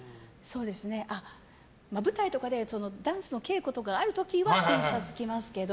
舞台とかでダンスの稽古とかがある時はＴシャツを着ますけど。